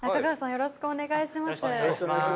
よろしくお願いします。